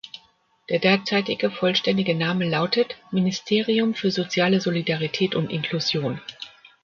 Der derzeitige vollständige Name lautet „Ministerium für Soziale Solidarität und Inklusion“.